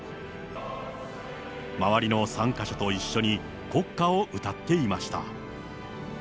周りの参加者と一緒に、国歌を歌っていました。